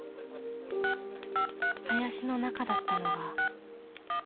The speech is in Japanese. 林の中だったのが。